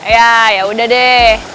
ya ya sudah deh